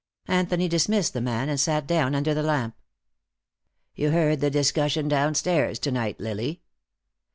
Anthony dismissed the man, and sat down under the lamp. "You heard the discussion downstairs, to night, Lily.